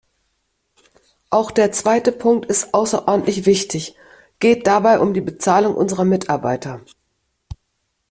Auch der zweite Punkt ist außerordentlich wichtiggeht dabei um die Bezahlung unserer Mitarbeiter.